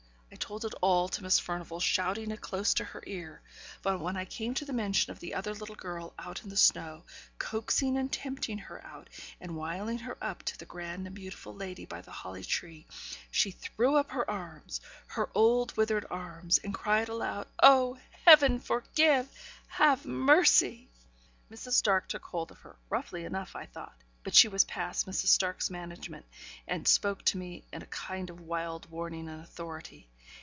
I told it all to Miss Furnivall, shouting it close to her ear; but when I came to the mention of the other little girl out in the snow, coaxing and tempting her out, and willing her up to the grand and beautiful lady by the holly tree, she threw her arms up her old and withered arms and cried aloud, 'Oh! Heaven forgive! Have mercy!' Mrs. Stark took hold of her; roughly enough, I thought; but she was past Mrs. Stark's management, and spoke to me, in a kind of wild warning and authority.